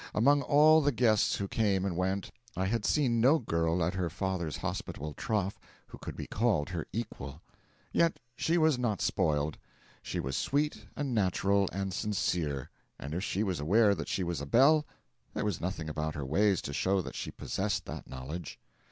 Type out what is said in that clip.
Among all the guests who came and went, I had seen no girl at her father's hospitable trough who could be called her equal. Yet she was not spoiled. She was sweet and natural and sincere, and if she was aware that she was a belle, there was nothing about her ways to show that she possessed that knowledge.